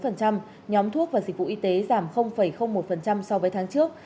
nhóm thuốc và dịch vụ y tế giảm một so với tháng trước